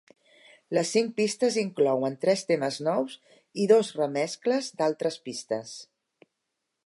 Les cinc pistes inclouen tres temes nous i dos remescles d'altres pistes.